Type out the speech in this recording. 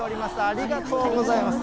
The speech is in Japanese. ありがとうございます。